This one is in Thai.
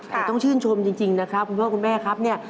แต่ต้องชื่นชมจริงนะครับคุณพ่อคุณแม่ครับเนี่ย